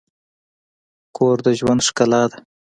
کور د ژوند ښکلا ده.